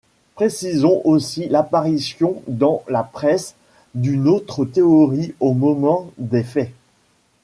Précisons aussi l'apparition dans la presse d'une autre théorie au moment des faits.